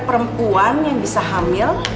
perempuan yang bisa hamil